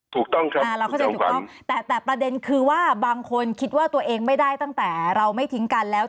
๑ถูกต้องครับแต่ประเด็นคือว่าบางคนคิดว่าตัวเองไม่ได้ตั้งแต่เราไม่ทิ้งกันแล้ว